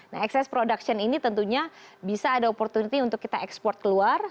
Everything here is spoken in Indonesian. nah excess production ini tentunya bisa ada opportunity untuk kita ekspor keluar